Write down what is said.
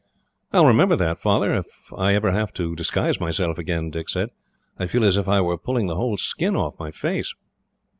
"I will remember that, Father, if I ever have to disguise myself again," Dick said. "I feel as if I were pulling the whole skin off my face."